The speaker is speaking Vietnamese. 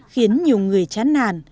khiến nhiều người chán nản